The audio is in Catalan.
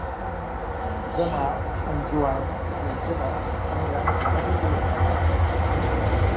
Demà en Joan i en Gerard aniran a Vidreres.